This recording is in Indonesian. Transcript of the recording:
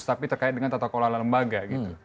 tapi terkait dengan tata kelola lembaga gitu